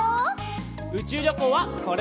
うちゅうりょこうはこれでおしまい！